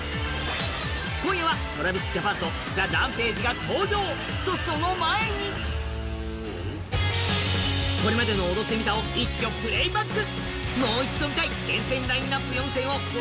今夜はＴｒａｖｉｓＪａｐａｎとＴＨＥＲＡＭＰＡＧＥが登場と、その前にこれまでの踊ってみたを一挙プレイバック。